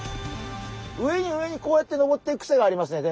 上に上にこうやってのぼっていくクセがありますね